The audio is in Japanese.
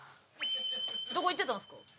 どこ行ってたんですか？